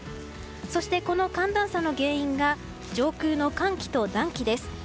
そしてこの寒暖差の原因が上空の寒気と暖気です。